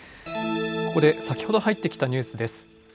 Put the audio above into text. ここで先ほど入ってきたニュースです。